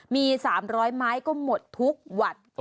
มี๓๐๐ไม้ก็หมดทุกหวัด